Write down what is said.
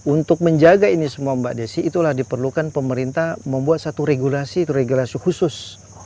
untuk menjaga ini semua mbak desi itulah diperlukan pemerintah membuat satu regulasi atau regulasi khusus